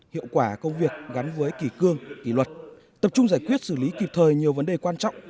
hiệu quả công việc gắn với kỳ cương kỳ luật tập trung giải quyết xử lý kịp thời nhiều vấn đề quan trọng